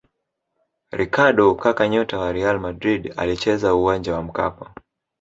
ricardo kaka nyota wa real madrid alicheza uwanja wa mkapa